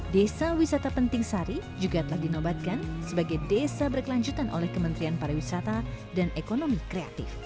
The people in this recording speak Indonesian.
desa wisata penting sari juga telah dinobatkan sebagai desa berkelanjutan oleh kementerian pariwisata dan ekonomi kreatif